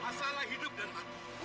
masalah hidup dan matamu